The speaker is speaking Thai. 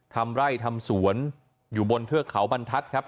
ทำไร่ทำสวนอยู่บนเทือกเขาบรรทัศน์ครับ